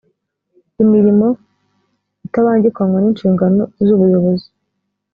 imirimo itabangikanywa n inshingano z ubuyobozi